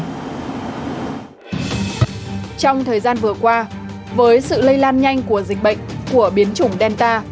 trong thời gian vừa qua với sự lây lan nhanh của dịch bệnh của biến chủng delta